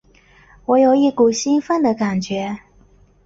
我有一股兴奋的感觉